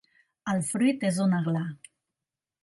El fruit és un aglà.